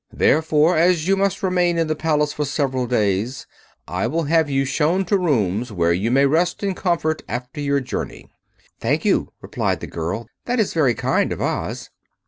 Therefore, as you must remain in the Palace for several days, I will have you shown to rooms where you may rest in comfort after your journey." "Thank you," replied the girl; "that is very kind of Oz."